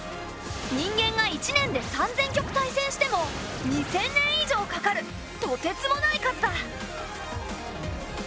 人間が１年で３，０００局対戦しても２，０００年以上かかるとてつもない数だ。